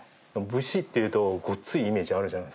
武士っていうとごっついイメージあるじゃないですか。